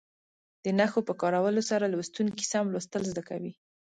د نښو په کارولو سره لوستونکي سم لوستل زده کوي.